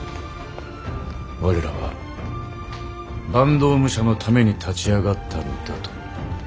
我らは坂東武者のために立ち上がったのだと。